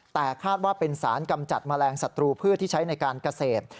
แต่คาดว่าเป็นสารกำจัดแมลงศัตรูพืชที่ใช้ในการเกษตร